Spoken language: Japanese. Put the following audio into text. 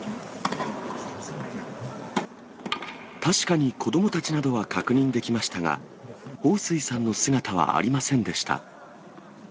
確かに子どもたちなどは確認できましたが、彭帥さんの姿はありませんでした。